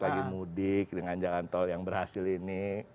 lagi mudik dengan jalan tol yang berhasil ini